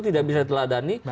tidak bisa diteladani